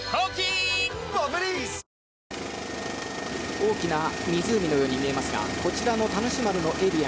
大きな湖のように見えますがこちらの田主丸のエリア